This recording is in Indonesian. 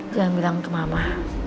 jangan bilang ke mama